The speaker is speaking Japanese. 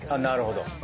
なるほど。